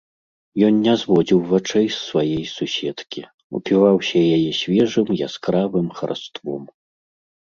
Ён не зводзіў вачэй з сваёй суседкі, упіваўся яе свежым яскравым хараством.